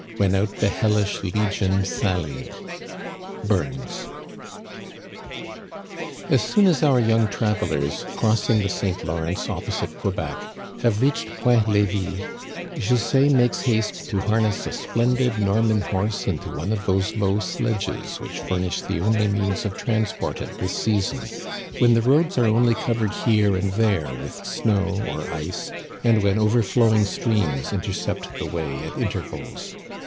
... When out the hellish legion sallied. Burns, As soon as our young travelers, crossing the St. Lawrence opposite Quebec, have reached Point Levis, José makes haste to harness a splendid Norman horse into one of those low sledges which furnish the only means of transport at this season, when the roads are only covered here and there with snow or ice, and when overflowing streams intercept the way at intervals.